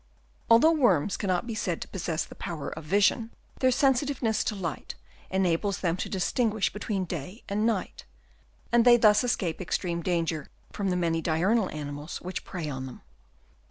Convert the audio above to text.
Although worms cannot be said to possess the power of vision, their sensitiveness to light enables them to distinguish between day and night ; and they thus escape extreme danger from the many diurnal animals which prey on them.